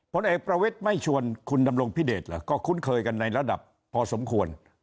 ผลเอกประวิทย์ไม่ชวนคุณดำรงพิเดชเหรอก็คุ้นเคยกันในระดับพอสมควร